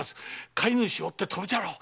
飼い主を追って飛ぶじゃろう。